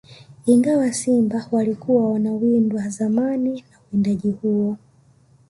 Ingawa simba walikuwa wanawindwa zamani na uwindaji huo